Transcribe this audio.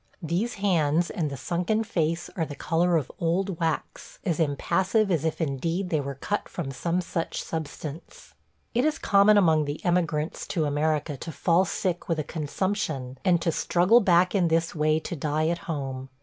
These hands and the sunken face are the color of old wax, as impassive as if indeed they were cut from some such substance. It is common among the emigrants to America to fall sick with a consumption and to struggle back in this way to die at home.